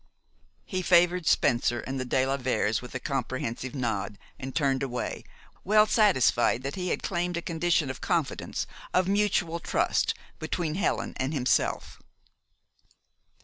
He favored Spencer and the de la Veres with a comprehensive nod, and turned away, well satisfied that he had claimed a condition of confidence, of mutual trust, between Helen and himself.